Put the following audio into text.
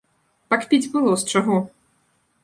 Пакпіць было з чаго!